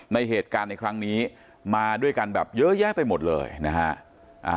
ในเหตุการณ์ในครั้งนี้มาด้วยกันแบบเยอะแยะไปหมดเลยนะฮะ